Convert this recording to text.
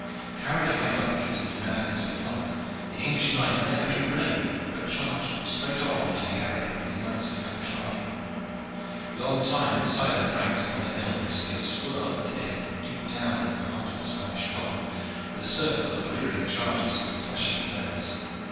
Carried away by the heat and madness of fight, the English knight never drew rein, but charged straight on into the array of the knights of Calatrava. Long time the silent ranks upon the hill could see a swirl and eddy deep down in the heart of the Spanish column, with a circle of rearing chargers and flashing blades.